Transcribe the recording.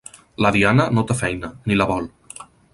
La Diana no té feina, ni la vol.